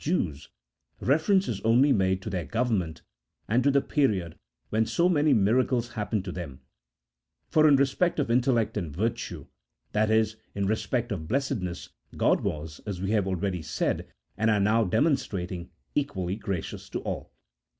49 Jews, reference is only made to their government, and to the period when so many miracles happened to them, for in respect of intellect and virtue — that is, in respect of blessed ness — God was, as we have said already, and are now de monstrating, equally gracious to all.